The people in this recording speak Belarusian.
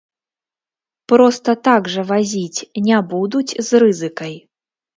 Проста так жа вазіць не будуць з рызыкай.